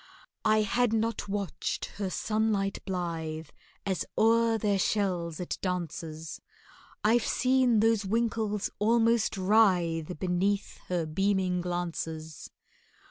I had not watched her sunlight blithe As o'er their shells it dances— I've seen those winkles almost writhe Beneath her beaming glances.